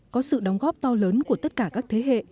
có sự đóng góp to lớn của tất cả các thế hệ